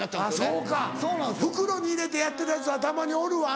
そうか袋に入れてやってるヤツはたまにおるわ。